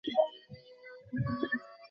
যাও, যাও মেলিন্ডা!